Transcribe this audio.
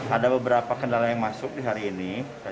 ada beberapa kendala yang masuk di hari ini